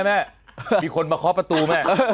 มีคนมาครอบประตูแม่